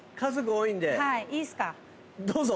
どうぞ。